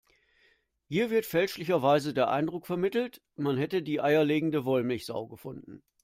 Hier wird fälschlicherweise der Eindruck vermittelt, man hätte die eierlegende Wollmilchsau gefunden.